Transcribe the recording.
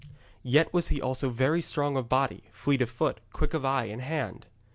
Yet was he also very strong of body, fleet of foot, quick of eye and hand.